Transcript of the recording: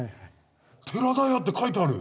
「寺田屋」って書いてある。